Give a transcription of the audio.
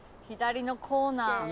左のコーナー。